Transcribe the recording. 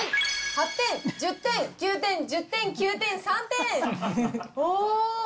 ８点１０点９点１０点９点３点。